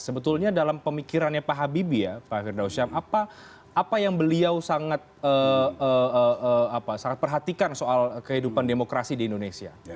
sebetulnya dalam pemikirannya pak habibie ya pak firdausyam apa yang beliau sangat perhatikan soal kehidupan demokrasi di indonesia